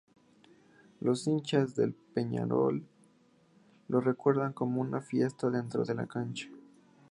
Los hinchas del Peñarol, lo recuerdan como una fiera dentro de la cancha.